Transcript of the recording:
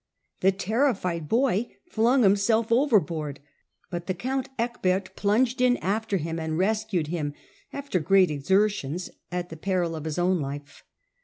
The terri fied boy flung himself overboard, but the count Ecbert plunged in after him and rescued him, after great exertions, at the peril of his own life.